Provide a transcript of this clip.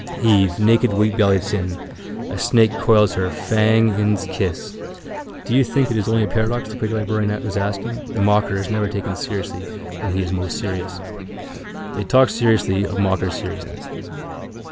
Eve. Naked wheatbellied sin. A snake coils her, fang in's kiss. —Do you think it is only a paradox? the quaker librarian was asking. The mocker is never taken seriously when he is most serious. They talked seriously of mocker's seriousness.